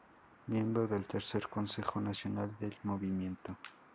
Miembro del tercer Consejo Nacional del Movimiento.